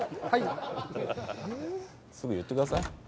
はいすぐ言ってください